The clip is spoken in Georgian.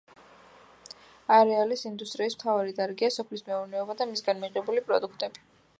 არეალის ინდუსტრიის მთავარი დარგია სოფლის მეურნეობა და მისგან მიღებული პროდუქტები.